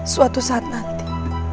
suatu saat nanti